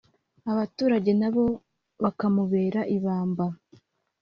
abaturage nabo bakamubera ibamba